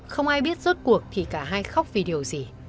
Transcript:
không ai biết rốt cuộc thì cả hai khóc vì điều gì